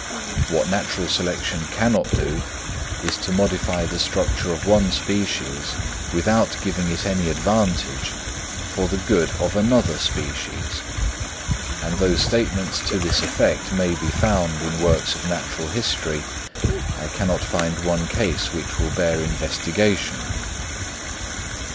What natural selection cannot do, is to modify the structure of one species, without giving it any advantage, for the good of another species; and though statements to this effect may be found in works of natural history, I cannot find one case which will bear investigation.